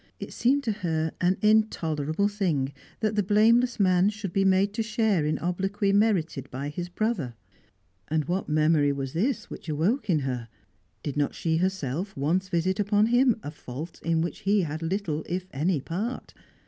It seemed to her an intolerable thing that the blameless man should be made to share in obloquy merited by his brother. And what memory was this which awoke in her? Did not she herself once visit upon him a fault in which he had little if any part?